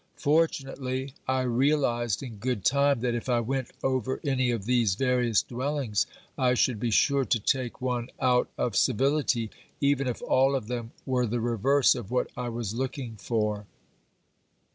For tunately, I realised in good time that if I went over any of these various dwellings, I should be sure to take one out of civility, even if all of them were the reverse of what I was looking for.